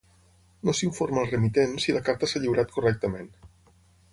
No s'informa el remitent si la carta s'ha lliurat correctament.